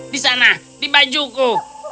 di sana di bajuku